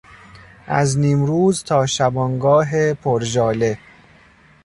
از نیمروز تا شبانگاه پر ژاله